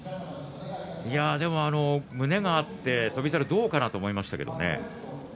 胸が合って翔猿どうかなと思いましたけどね。